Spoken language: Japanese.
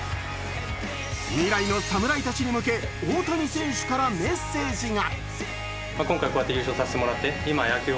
未来の侍たちに向け大谷選手からメッセージが。